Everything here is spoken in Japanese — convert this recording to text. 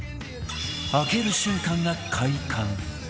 開ける瞬間が快感